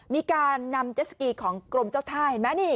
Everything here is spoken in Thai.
มีการนำเจสสกีของกรมเจ้าท่าเห็นไหมนี่